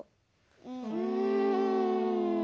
うん。